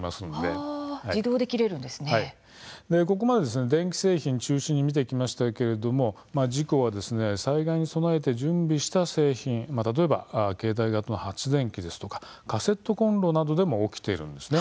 ここまで電気製品を中心に見てきましたけれども事故は災害に備えて準備した製品、例えば携帯型の発電機ですとかカセットコンロなどでも起きているんですね。